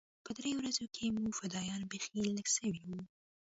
په دې ورځو کښې مو فدايان بيخي لږ سوي وو.